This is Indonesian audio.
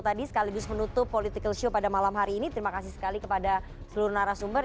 tadi sekaligus menutup political show pada malam hari ini terima kasih sekali kepada seluruh narasumber